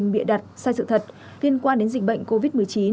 và thanh tra dịch bệnh covid một mươi chín